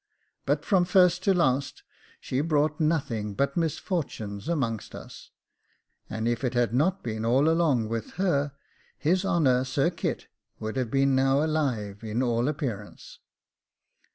But from first to last she brought nothing but misfortunes amongst us; and if it had not been all along with her, his honour, Sir Kit, would have been now alive in all appearance.